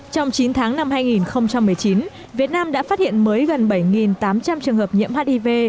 trong chín tháng năm hai nghìn một mươi chín việt nam đã phát hiện mới gần bảy tám trăm linh trường hợp nhiễm hiv